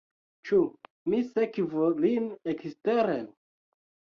Ĉu mi sekvu lin eksteren?